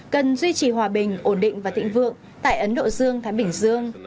cần duy trì hòa bình ổn định và thịnh vượng tại ấn độ dương thái bình dương